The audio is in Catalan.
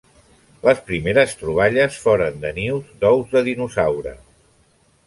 Les primeres troballes foren de nius d'ous de dinosaure.